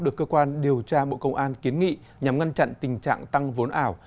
được cơ quan điều tra bộ công an kiến nghị nhằm ngăn chặn tình trạng tăng vốn ảo